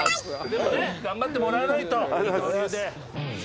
頑張ってもらわないと、これで。